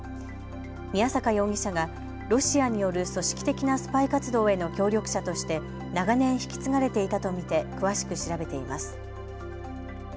宮坂容疑者がロシアによる組織的なスパイ活動への協力者として長年引き継がれていたと見て詳しく調べています。